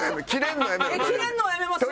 キレるのはやめますわ。